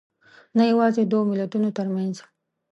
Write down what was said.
نه یوازې دوو ملتونو تر منځ